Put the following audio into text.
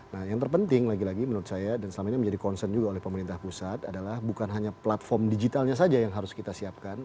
nah yang terpenting lagi lagi menurut saya dan selama ini menjadi concern juga oleh pemerintah pusat adalah bukan hanya platform digitalnya saja yang harus kita siapkan